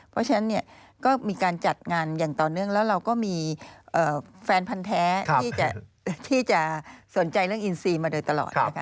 เพราะฉะนั้นเนี่ยก็มีการจัดงานอย่างต่อเนื่องแล้วเราก็มีแฟนพันธ์แท้ที่จะสนใจเรื่องอินซีมาโดยตลอดนะคะ